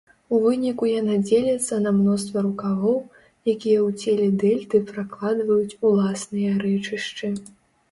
У выніку яна дзеліцца на мноства рукавоў, якія ў целе дэльты пракладваюць уласныя рэчышчы.